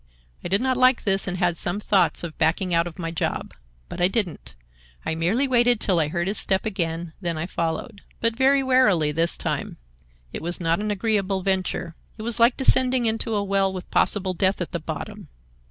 I did not like this, and had some thoughts of backing out of my job. But I didn't. I merely waited till I heard his step again; then I followed. "But very warily this time. It was not an agreeable venture. It was like descending into a well with possible death at the bottom.